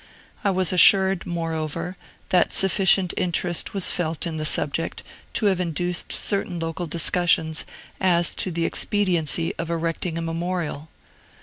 I was assured, moreover, that sufficient interest was felt in the subject to have induced certain local discussions as to the expediency of erecting a memorial.